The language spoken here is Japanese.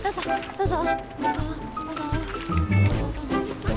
どうぞ。